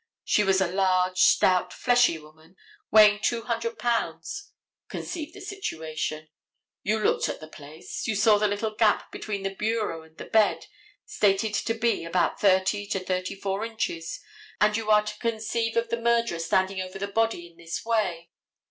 She was a large, stout, fleshy woman, weighing two hundred pounds. Conceive of the situation. You looked at the place. You saw the little gap between the bureau and the bed, stated to be about thirty to thirty four inches, and you are to conceive of the murderer standing over the body in this way.